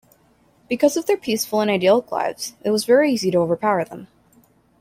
Because of their peaceful and idyllic lives, it was very easy to overpower them.